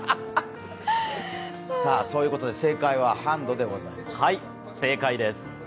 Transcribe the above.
そういうことで正解はハンドでございます。